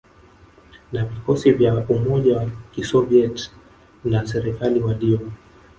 na vikosi vya umoja wa Kisoviet na serikali waliyo